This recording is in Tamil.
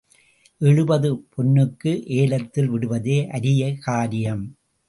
எழுபது பொன்னுக்கு ஏலத்தில் விடுவதே அரிய காரியம்.